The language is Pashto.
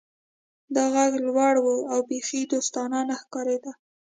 دا غږ لوړ و او بیخي دوستانه نه ښکاریده